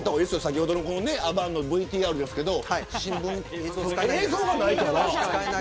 先ほどのＶＴＲですけど映像がないから。